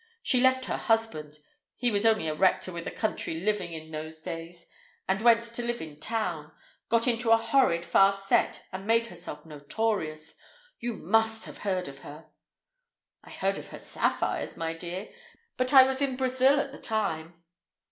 She left her husband—he was only a rector with a country living in those days—and went to live in town, got into a horrid fast set, and made herself notorious. You must have heard of her." "I heard of her sapphires, my dear. But I was in Brazil at the time."